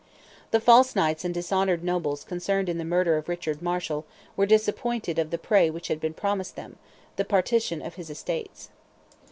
The false knights and dishonoured nobles concerned in the murder of Richard Marshal were disappointed of the prey which had been promised them—the partition of his estates.